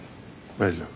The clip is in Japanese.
大丈夫。